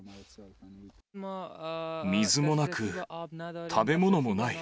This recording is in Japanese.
水もなく、食べ物もない。